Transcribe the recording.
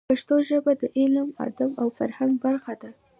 پښتو ژبه د علم، ادب او فرهنګ برخه ده.